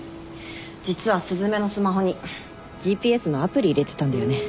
実は雀のスマホにＧＰＳのアプリ入れてたんだよね。